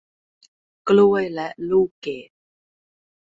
กล้วยและลูกเกด